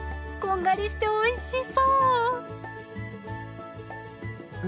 こんがりしておいしそう！